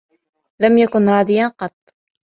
لم يكن راضيا قطّ.